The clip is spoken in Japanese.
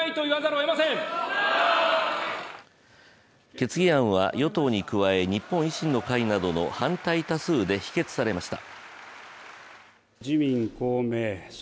決議案は与党に加え、日本維新の会などの反対多数で否決されました。